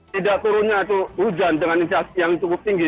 tidak turunnya hujan dengan inisiasi yang cukup tinggi